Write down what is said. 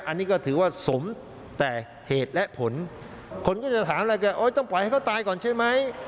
อันนี้ก็ถือว่าสมแต่เหตุและผลคนก็จะถามอะไรกันต้องปล่อยให้เขาตายก่อนใช่ไหม